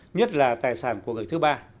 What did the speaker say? nhất là tài sản của người thứ ba